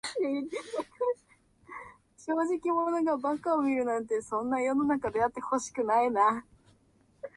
正直者が馬鹿を見るなんて、そんな世の中であってほしくないな。